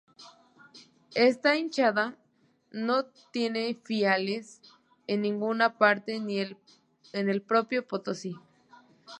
Esta Hinchada no tiene filiales en ninguna parte ni en el Propio Potosi.